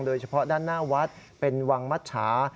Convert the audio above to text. โดยเฉพาะด้านหน้าวัดเป็นวังมัชชา